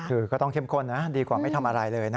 คือก็ต้องเข้มข้นนะดีกว่าไม่ทำอะไรเลยนะ